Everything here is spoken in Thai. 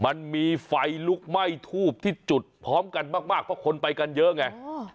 มันมีไฟลุกไหม้ทูบที่จุดพร้อมกันมากเพราะคนไปกันเยอะไง